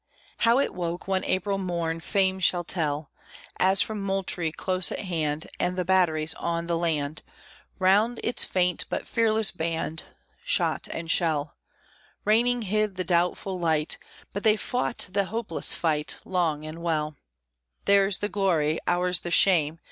How it woke one April morn Fame shall tell; As from Moultrie, close at hand, And the batteries on the land, Round its faint but fearless band Shot and shell Raining hid the doubtful light; But they fought the hopeless fight Long and well (Theirs the glory, ours the shame!)